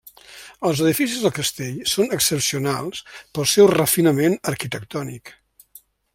Els edificis del castell són excepcionals pel seu refinament arquitectònic.